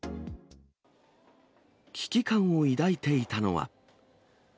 危機感を抱いていたのは。